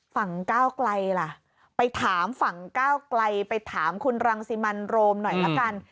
ก้าวไกลล่ะไปถามฝั่งก้าวไกลไปถามคุณรังสิมันโรมหน่อยละกัน